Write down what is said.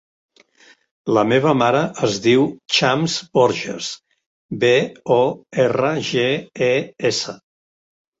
La meva mare es diu Chams Borges: be, o, erra, ge, e, essa.